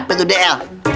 apa itu dl